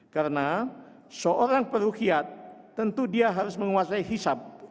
karena seorang peruhyat tentu dia harus menguasai hisap